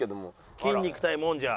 筋肉対もんじゃ。